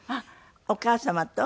お母様と？